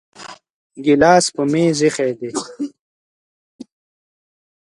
ګلاس په میز ایښی دی